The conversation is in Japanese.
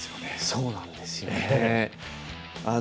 そうなんですよね。